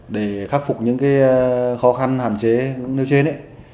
để khắc phục những khó khăn hạn chế nêu trên